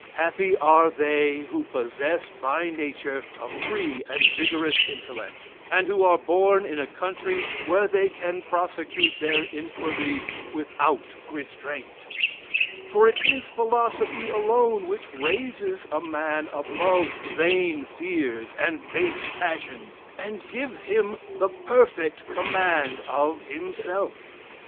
Happy are they who possess by nature a free and vigorous intellect, and who are born in a country where they can prosecute their inquiries without restraint: for it is philosophy alone which raises a man above vain fears and base passions, and gives him the perfect command of himself.